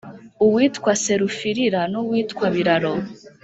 uwitwa serufirira n’uwitwa biraro